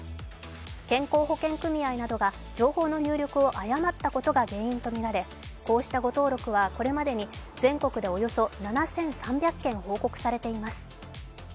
健康保険組合などが情報の入力を誤ったことが原因とみられこうした誤登録はこれまでに全国でおよそ７３００件報告されています。